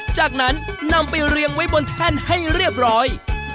จากนั้นนำไปเรียงไว้บนแท่นให้เรียบร้อย